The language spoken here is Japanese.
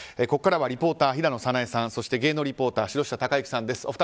ここからはリポーター平野早苗さんそして芸能リポーター城下尊之さんです。